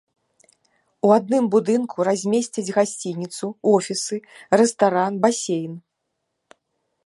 У адным будынку размесцяць гасцініцу, офісы, рэстаран, басейн.